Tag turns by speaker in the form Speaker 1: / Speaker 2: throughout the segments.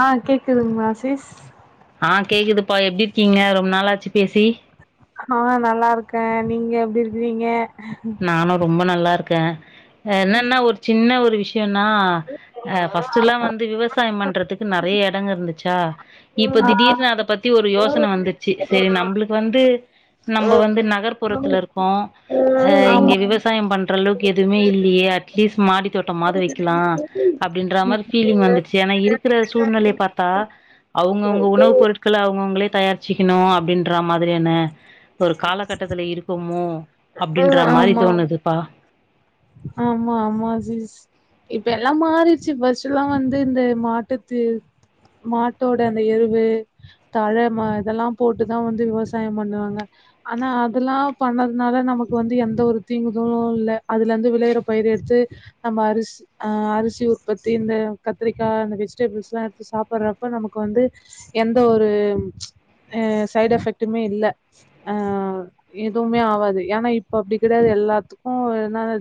Speaker 1: ஆ கேக்குதுங்மா சிஸ்
Speaker 2: ஆ கேக்குதுப்பா எப்டிருக்கீங்க ரொம்ப நாளாச்சு பேசி
Speaker 1: ஆ நல்லாருக்கே நீங்க எப்டி இருக்குறீங்க
Speaker 2: நானு ரொம்ப நல்லாருக் க்க என்னன்னா
Speaker 1: ம்
Speaker 2: ஒர் சின்ன ஒரு வி ஷ்யொனா ஆ பஸ்ட்டுல்லா வந்து விவ சாயம் பண்றதுக்கு நெறைய எடங்க இருந்துச்சா இப்ப
Speaker 1: ஆ
Speaker 2: திடீர்னு அத பத் தி ஒரு யோசன வந்து ச்சு சேரி நம்புளுக்கு வந்து நம்ப வந்து நகர்ப்புறத்துலருக்கோ அ இங்க விவசாயம் பண்றளவுக்கு எதுவுமே இல்லியே அட்லீஸ் மாடி தோட்டம்மாது வைக்லா அப்டின்ற மாரி ஃபீலிங் வந்துச்சு ஏனா இருக்குற சூழ்நெலைய பாத்தா அவுங்கவுங்க உணவு பொருட்கள அவுங்கவுங்களே தயாரிச்சிக்கிணு அப்டின்ற மாதுரியன ஒரு காலகட்டத்துல இருக்கோமோ அப்டின்ற மாரி
Speaker 1: ஆமா ஆமா
Speaker 2: தோணுதுப்பா
Speaker 1: ஆமா ஆமா ஜீஸ் இப்ப எல்லாம் மாறிர்ச்சு ஃபஸ்ட்டுல்லா வந்து இந்த மாட்டுத்தி மாட்டோட அந்த எருவு தழ ம இதெல்லாம் போட்டுதா வந்து விவசாயம் பண்ணுவாங்க ஆனா அதெல்லா பண்ணதுனால நமக்கு வந்து எந்த ஒரு தீங்குதலு இல்ல அதுலந்து விளையிற பயிரு எடுத்து நம்ம அரிசி ஆ அரிசி உற்பத்தி இந்த கத்திரிக்கா இந்த வெஜிடபிள்ஸ்லா எடுத்து சாப்பறப்ப நமக்கு வந்து எந்த ஒரும் ஆ சைடெஃபெக்ட்டுமே இல்ல ஆ எதுவுமே ஆவாது ஏன்னா இப்பொ அப்டி கிடயாது எல்லாத்துக்கு [unintelligible]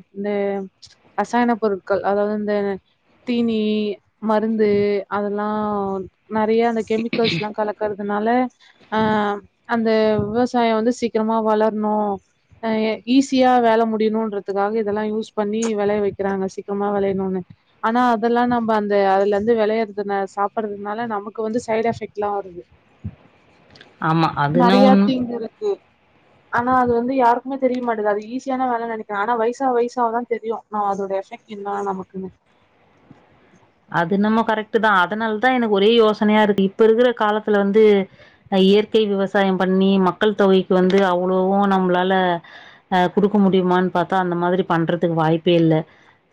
Speaker 1: அசாயன பொருட்கள் அதாவதுந்த தீனி மருந்து அதெல்லா நெறைய அந்த கெமிக்கல்ஸ்ல்லா கலக்கறதுனால அ அந்தெ விவசாயொ வந்து சீக்கிரமா வளர்ணு அ எ ஈஸியா வேல முடியணுன்ற துக்காக இதெல்லா யூஸ் பண்ணி வெளைய வைக்கிறாங்க சீக்ரமா வெளையணுன்னு ஆனா அதெல்லா நம்ப அந்த அதுலந்து வெளையறதுன சாப்புறதுனால நமக்கு வந்து சைடெஃபெக்ட்ல்லா வருது
Speaker 2: ஆமா அதுனா
Speaker 1: நறைய
Speaker 2: உண்
Speaker 1: தீங்குருக்கு ஆனா அது வந்து யாருக்குமே தெரிய மாட்டெது அது ஈஸியான வேலன்நென கான வயசா வயசாவதா தெரியு நா அதோட எஃபெக்ட் என்னா நமக்குன்னு
Speaker 2: அதுனம்மொ கரெக்ட்டு தா அதனால்தா எனக்கு ஒரே யோசனையா இருக்கு இப்ப இருக்குற காலத்துல வந்து அ இயற்கை விவசாயம் பண்ணி மக்கள் தொகைக்கு வந்து அவ்ளோவூ நம்ளால அ குடுக்க முடியுமான் பாத்தா அந்த மாதுரி பண்றதுக் வாய்ப்பே இல்ல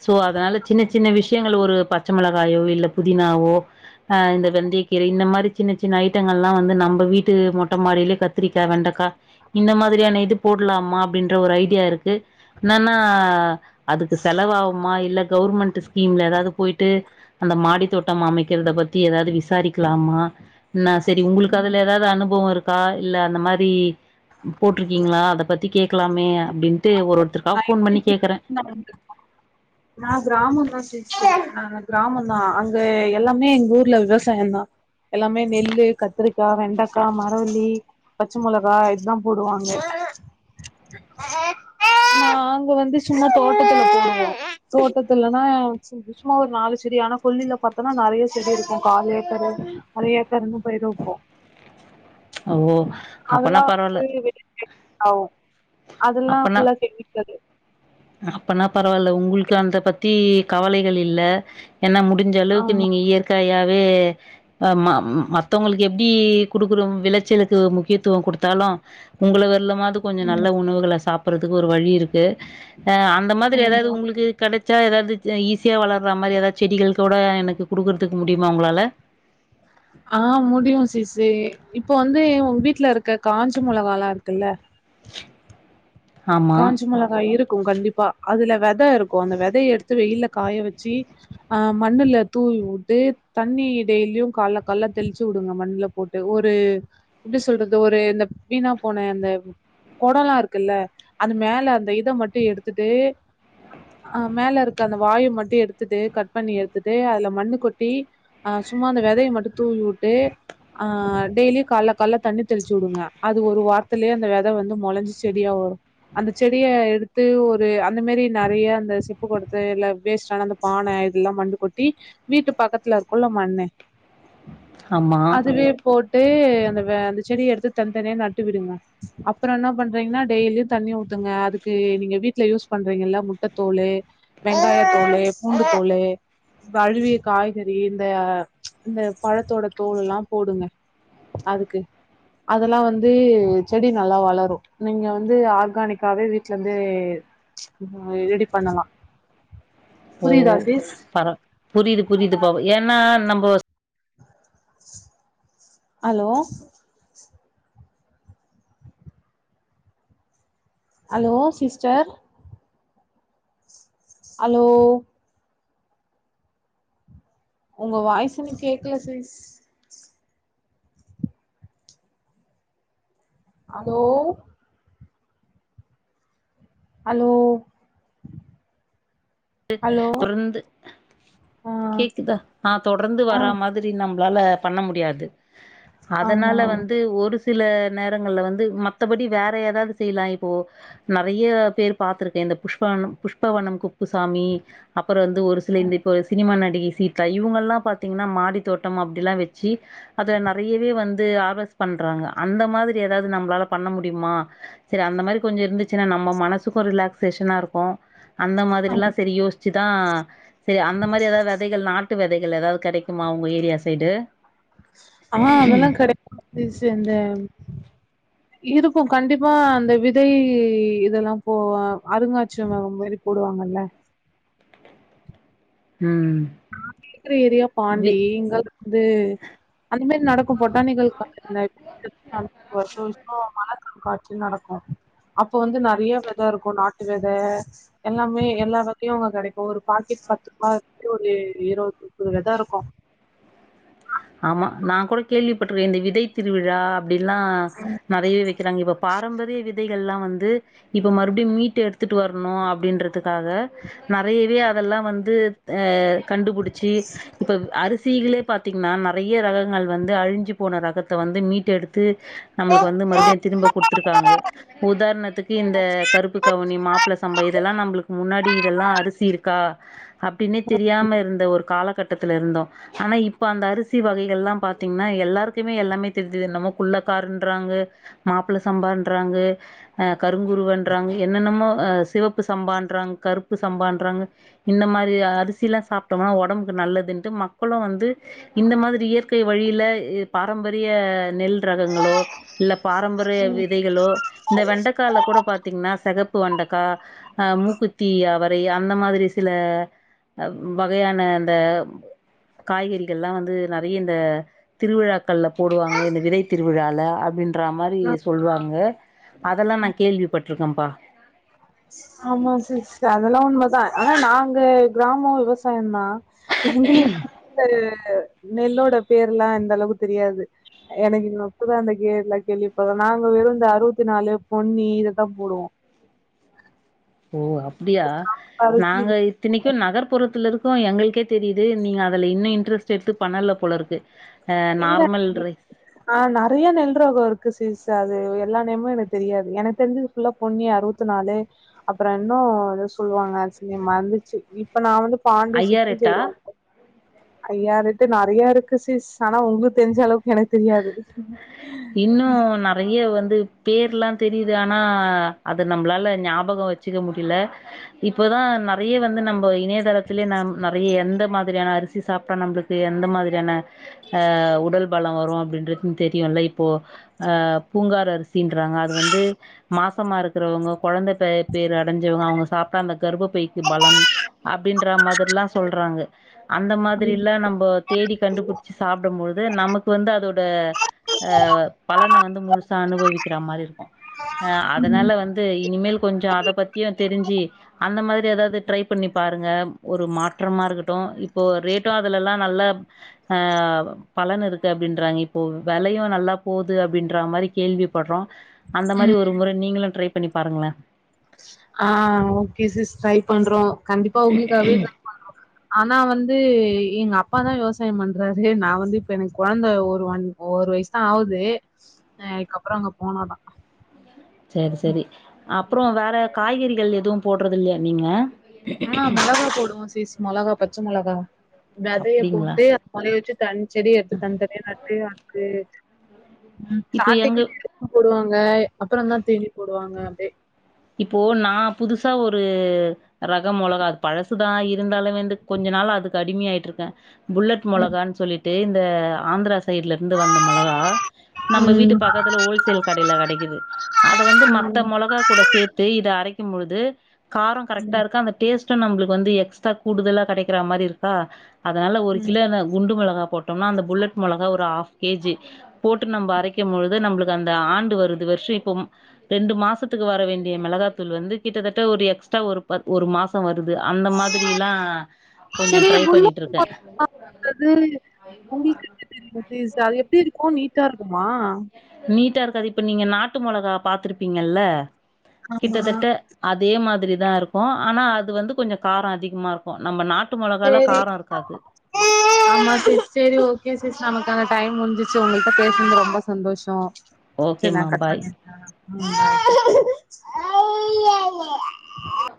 Speaker 2: சோ அதனால சின்ன சின்ன விஷ்யங்கள் ஒரு ப ச்ச மெளகாயோ இல்ல புதினாவோ ஆ இந்த வெந்தயக்கீர இந்த மாரி சின்ன சின்ன ஐட்டங்கள்லா வந்து நம்ப வீட் டு மொட்ட மாடிலே கத்திரிக் த வெண்டக்கா இந்த மாதுரியான இது போட்லாமா அப்டின்ற ஒரு ஐடியா இருக்கு நான்னா அதுக்கு செலவாவுமா இல்ல கவுர்மெண்ட்டு ஸ்கீம்ல எதாவுது போயி டு அந்த மாடி தோட்டம் அமைக்கிறத பத்தி எதாவுது விசாரிக்லாமா நா செரி உங்குளுக்கதுல எதாது அனுபவொருக் கா இல்ல அந்த மாரி போட்டிருக்கீங்களா அத பத்தி கேட்கலாமே அப்டின்னு து ஒரு ஒருத்தருக்கா போன் பண்ணி கேக்குறன்
Speaker 1: நான் கிராமம் தான் சிஸ்டர் ஆஹ் ஆஹ் கிராமம் தான் அங்க எல்லாமே எங்க ஊர்ல விவசாயம் தான் எல்லாமே நெல்லு கத்திரிக்கா வெண்டக்கா மரவள்ளி பச்சை மொளகா இதுதான் போடுவாங்க நாங்க வந்து சும்மா தோட்டத்துல போடுவோம் தோட்டத்துலன்னா சும் சும்மா ஒரு நாலு செடி ஆனா கொல்லில பார்த்தோம்ன்னா நறயா செடி இருக்கும் கால் ஏக்கர் அர ஏக்கருன்னு பயிர் வப்போம்
Speaker 2: ஓ அப்பனா
Speaker 1: அதெல்லாம்
Speaker 2: பரவால்ல
Speaker 1: வந்து வெளி சே ஆவும் அதெல்லாம் ஃபுல்லா செக்கிக்காது
Speaker 2: அப்பனா பரவாயில்ல உங்களுக்கு அந்த பத்தி கவலைகள் இல்ல என்ன முடிஞ்ச அளவுக்கு
Speaker 1: ஆமா.
Speaker 2: நீங்க இயற்கையா வே ம மத்தவங்களுக்கு எப்டி கொடுக்கற விளச்சலுக்கு முக்கியத்துவ குடுத்தாலு உங்கள வர்லமாது கொஞ்ச நல்ல
Speaker 1: ம்
Speaker 2: உணவுகள சாப் ப்புறதுக்கு ஒரு வழி இருக்கு ஆ அந்த மாதிரி எதாது
Speaker 1: ஆமா.
Speaker 2: உங்களுக்கு கெட ச்ச எதாது ச ஈஸியா வளர்ற மாரி எதாவது செடிகள் கூட எனக்கு குடுக்குறதுக்கு முடியுமா உங்களால
Speaker 1: ஆஹ் முடியு சிசி இப்பொ வந்து உங்க வீட்ல இருக்க காஞ்ச மொளகலா இருக்குல்ல
Speaker 2: ஆமா,
Speaker 1: காஞ்ச மொளகா இருக் க்கு கண்டிப்பா அதுல வெத இருக்கு அந்த வெதய எடுத்து வெயில காய வச்சு அஹ் மண்ணுல தூவி உட்டு தண்ணி டெய்லியு கால கால்ல தெளிச்சு உடுங்க மண்ல போட்டு ஒரு எப்டி சொல்றது ஒரு இந்த வீணா போன அந்த கொடலா இருக்குல்ல அது மேல அந்த இத மட்டு எடுத்துட்டு அஹ் மேல இருக்க அந்த வாய மட்டு எடுத்துட்டு கட் பண்ணி எடுத்துட்டு அதுல மண்ணு கொட்டி அஹ் சும்மா அந்த வெதய மட்டு தூவி உட்டு ஆஹ் டெய்லி கால கால தண்ணி தெளிச்சு உடுங்க அது ஒரு வாரத்திலே அந்த வெத வந்து மொளஞ்சு செடியா வரு அந்த செடிய எடுத்து ஒரு அந்த மேரி நெறயா அந்த செப்பு கொடத்துல்ல வேஸ்ட் ஆன அந்த பான இதுல்லா மண்ணு கொட்டி வீட்டு பக்கத்துல இருக்குல மண்ணு
Speaker 2: ஆமா.
Speaker 1: அதுலயே போட் ட்டு அந்த வெ அந்த செடிய எடுத்து தனித்தனியா நட்டு விடுங்க அப்புற என்ன பண்றீங்கனா டெய்லியு தண்ணி ஊத்துங்க அதுக்கு நீங்க வீட்ல யூஸ் பண்றீங்கல்ல முட்ட தோலு வெங்காயத்தோலு பூண்டு தோலு கழுவிய காய்கறி இந்த இந்த பழத்தோட தோலுலா போடுங்க அதுக்கு அதெல்லா வந்து செடி நல்லா வளரு நீங்க வந்து ஆ ர்கானிக்காவே வீட்ல இருந்து ஆஹ் ரெடி பண்ணலா
Speaker 2: ஓ
Speaker 1: புரியுதா சிஸ்
Speaker 2: பர புரிது புரிது ப ஏன்னா நம் போஸ்
Speaker 1: ஹலோ அலோ சிஸ்டர் அலோ உங்க வாய்ஸ் எனக்கு கேக்கல சிஸ் அலோ அலோ
Speaker 2: டு தொடர்ந்து
Speaker 1: ஆ
Speaker 2: கேக்குதா ஆஹ் தொடர்ந்து வரா மாதிரி நம் பலால்ல பண்ண முடியாது அதனால
Speaker 1: ஆ
Speaker 2: வந்து ஒரு ச் சில நேரங்கள்ல வந்து மத்தபடி வேற எதாவது செய்யலா இப்போ நறயா பேர் பாத்துருக்க இந்த புஷ்ப அன்னம் புஷ்பவனம் கு ப்புசாமி அப்புற வந்து ஒரு சில இந்த இப்பொ சினிமா நடிகை சீத்தா இவங்கல்லா பாத்திங்கனா மாடி தோட்டம் அப்டிலா வெச்சி அதுல நெறயவே வந்து ஆவஸ் பண்றாங்க அந்த மாதிரி எதாவது நம்பலால பண்ண முடியுமா சரி அந்த மாரி கொஞ்சொ இருந்துச்சினா நம்ம மனசுக்கு ரிலாக்ஸ்ஸேஷனா இருக்கு அந்த எல்லா சேரி யோசிச்சுதா சேரி அந்த மாரி ஏதாவது வெதைகள் நாட் டு வெதைகள் ஏதாவது கெடைக்குமா உங்க ஏரியா சைடு
Speaker 1: ஆஹ் அதெல்லா கெடைக்கொ சிச் இந்த இருக்கு கண்டிப்பா அந்த விதை இதெல்லா போ அருங்காட்சிய அது மாரி போடுவாங்கல்ல
Speaker 2: ம்
Speaker 1: இருக்குற ஏரியா
Speaker 2: வி
Speaker 1: பாண்டி இங்கலா வந்து அந்த மெரி நடக்கு பொட்டானிக்கல் கார்டன்ல [inaudible] வருஷோ வருஷோ மழ காட்சி நடக்கு அப்போ வந்து நெறைய வெத இருக்கு நாட்டு வெத எல்லாமே எல்லா வெதையு அங்க கெடைக்கு ஒரு பாக்கெட் பத்து ரூபா ஒரு இருவது இவ்ளோதா இருக்கொ
Speaker 2: ஆமா நா கூட கேள்விப்பட்ருக்கே இந்த விதை திருவிழா அப்டில்லா நெறைய வெக்குறாங்க இப்ப பாரம்பரிய விதைகள்லா வந் து இப்ப மறுபடியு மீட்டு எடுத்துட்டு வரணு அப்டின்றதுக்காக நெறையவே அதெல்லா வந்து ஆ கண்டுபுடிச்சி இப்போ அரிசிகளே பாத்தி ங்னா நறைய ரக ங்கள் வந்து அழிஞ்சி போன ரகத் த வந்து மீட்டு எடுத் து நம்மளுக் வந்து மறுப்டியு திரும்ப குடுத்துருக்காங்க உதாரணத்துக்கு இந்த கருப்பு கவுனி மாப்ள சம்பா இதெல்லா நம்ப்ளுக் முன்னாடி இதெல்லா அரிசி இருக்கா அப்டின்னே தெரியாம இருந்த ஒரு காலத் கட்டத்துல இருந்தோ ஆனா இப் இப்போ அந்த அரிசி வகைகள்லாம் பாத்தீங்னா எல்லாருக்குமே எல்லாமே தெரிது என்னமோ குள்ளக்காருன்றாங்க மாப்புள சம்பான்றாங்க ஆ கருங்குருவன்றாங்க என்னென்னமோ ஆ சிவப்பு சம்பான்றாங் கருப்பு சம்பான்றாங்க இந்த மாரி அரிசிலா சாப்ட்டோம்னா ஒடம்புக்கு நல்லதுன்ட்டு மக்களு வந்து இந்த மாதிரி இயற்கை வழியில பாரம்பரிய நெல் ரகங்களோ இல்ல பாரம்பரிய விதைகளோ இந்த வெண்டக்கால கூட பாத்தீங்னா செகப் பு வண்டக்கா அ மூக்குத்தி அவரை அந்த மாதிரி சில வகையான அந்த காய்கறி எல்லா வந்து நறைய இந்த திருவிழாக்கள்ல போடுவாங்க இந்த விதை திருவிழால அப்டின் றா மாரி சொல்லுவாங்க அதெல்லா நா கேள்வி பர்றுக்கம்
Speaker 1: ஆமா சிஸ் அதெல்லா உண்மதா ஆனா நாங்க கிராமோ விவசாயொந்தா ஹிந்துலி [unintelligible] நெல்லோட பேர்லா எந்த எலவு தெரியாது எனக்கு இன்னொப்புதா அந்த கேர்லா கேள்விப்பட்ற நாங்க வெறு இந்த அறுவத்தி நாலு பொன்னி இதத்தா போடுவோ
Speaker 2: ஓ அப்டியா
Speaker 1: அரிசி இது
Speaker 2: நாங்க இத்தினிக்கு நகர்ப்புறத்துல இருக் கோ எங்களுக்கே தெரியுது நீங்க அதுல இன்னு இன்ட்ரெஸ்ட் எடுத்து பண்ணல போலருக்கு
Speaker 1: இல்ல ஆஹ் நறைய நெல் ரகொ இருக்கு சிஸ் அது எல்லா நேமு எனக்கு தெரியாது எனக்கு தெரிஞ்சது ஃபுல்லா பொண்ணி அறுவத்து நாலு அப்பறோ இன்னு ஏதோ சொல்வாங்க அரிசி நேம் மறந்துச்சி இப்ப நா வந்து
Speaker 2: ஐயா
Speaker 1: பாண்டிஷிட்னு
Speaker 2: ரேட்டா?
Speaker 1: [unintelligible] ஐயாரெட்டு நறைய இருக்கு சிஸ் ஆனா உங்குக் தெரிஞ்ச அளவுக் எனக்கு தெரியாது
Speaker 2: து பேர்லா தெரியுது ஆனா அது நம்ப்ளால ஞாபகொ வச்சுக்க முடில இப்பதா நறைய வந்து நம்ப இணையதளத்துலே நம் நறைய எந்த மாதிரியான அரிசி சாப்டா நம்ப்ளுக்கு எந்த மாதிரியான ஆஹ் உடல் பலொ வரு அப்டின்றது தெரியுல்ல இப்போ ஆ பூங்கார அரிசி சின்றாங்க அது வந்து மாசமா இருக்கறவங்க கொழந்த பெ பேர் அடஞ்சவங்க அவுங்க சாப்ட்டா அந்த கர்பப்பைக்கு பலன் அப்டின்ற மாதிரில்லா சொல்றாங்க அந்த மாதிரில்லா நம்போ தேடி கண்டுபுடிச்சி சாப்டும்பொழுது நமக்கு வந்து அதோ த ஆ பலன வந்து முழுசா அனுபவிக்கிற மாரி இருக்கு ஆ
Speaker 1: ம்.
Speaker 2: அதனால வந்து இனிமேல் கொஞ்சொ அத பத்தியு தெரிஞ்சி அந்த மாரி ஏதாவ்து ட்ரை பண்ணி பா ருங்க ஒரு மாற்றமா இருக்கட்டு இ ப்போ ரேட்டு அதுலேல்லா நல்லா ஆ பலன் இருக்கு அப்டின்றாங்க இ ப்போ வெலையு நல்லா போது அப்டின்ற மாரி கேள்விப்பட்றோ அந்த மாரி
Speaker 1: ம்.
Speaker 2: ஒரு முற நீங்களு ட்ரை பண்ணிப் பாருங்களே
Speaker 1: ஆ ஓகே சிஸ் ட்ரை பண்றோ கண்டிப்பா உங்களுக்காகவே ட்ரை பண்றோங்க ஆனா வந்து எங்க அப்பாதா விவசாய பண்றாரு நா வந்து இப்ப எனக்கு கொழந்த ஒரு ஒரு வயசுதா ஆகுது அதுக்குப்புற அங்க போனோ தா
Speaker 2: செரி செரி அப்புற வேற காய்கறிகள் எதுவு போடுறது இல்லையா நீங்க
Speaker 1: ஆ மிளகா போடுவோ சிஸ் மொளகா பச்ச மொளகா வேதைய
Speaker 2: அப்டிங்களா
Speaker 1: போட்டு அத மொலய வச்சு தனி செடி எடுத்து தனித்தனியா நட்டு அது ம்
Speaker 2: இப்ப எங்க
Speaker 1: ஸ்டாடிங்குல [unintelligible] போடுவாங்க அப்ற தா தீனி போடுவாங்க அப்டிடே
Speaker 2: இப்போ நா புதுசா ஒரு ரகம் மொளகா அது பழசுதா இருந்தாலு வந்து கொஞ்ச நாள் அதுக்கு அடிமயா ஆயிட்டு இருக்க புல்லட்
Speaker 1: ம்.
Speaker 2: மொளகான் சொல்லிட் டே இந்த ஆந்திரா சைடுல இருந்து வந்த மொளகா நம்ம வீட்டு
Speaker 1: ம்.
Speaker 2: பக்கத்துல ஹோல்சேல் கடைல கெடைக்குது அத வந்து மத்த
Speaker 1: ம்.
Speaker 2: மொளகா கூட இத அரைக்கும் பொழுது கார கரெக்டா
Speaker 1: ம்.
Speaker 2: இருக்க அந்த டேஸ்ட் [unintelligible] நம்மளுக்கு வந்து எக்ஸ்ட்ரா கூடுதலா கேடைக்கற மாரி இருக்கா அதனால ஒரு
Speaker 1: ம்.
Speaker 2: கிலோ [unintelligible] குண்டு மிளக போட்டோம்னா அந்த புல்லட் மொளகா ஒரு ஹாஃப் கேஜி போட்டு நம்ம அரைக்க பொழுது நம்ளுக்கு அந்த ஆண்டு வருது வருஷ இப்போ ரண்டு மாசத்துக்கு வர வேண் மேளகாத்தூள் வந்து கிட்டதட்ட ஒரு எக்ஸ்ட்ரா ஒரு ஒரு மாச வரு கொஞ்சோ
Speaker 1: செரி
Speaker 2: ட்ரை
Speaker 1: [unintelligible]
Speaker 2: பண்ணிட்ருக்கே
Speaker 1: அது எப்டி இருக்கு நீட் தா இருக்குமா
Speaker 2: நீட்டா இருக்காது இப்ப நீங்க நாட்டு மொளகா பாத்துருப்பீங்கல்ல கிட்டத்தட்ட அதே மாதிரி தா இருக்கு ஆனா அது வந்து கொஞ்சம் காரோ அதிகமா இருக்கும் நம்ம நாட்
Speaker 1: செரி ஆமா ச செரி ஓகே சிஸ் நமக்கான டைம் முடிஞ்சசு உங்ககிட்ட பேசது ரொம்ப சந்தோசோ செரி நா
Speaker 2: ஓகேமா
Speaker 1: கட்
Speaker 2: பாய்
Speaker 1: பண்ணிர [unintelligible] [unintelligible]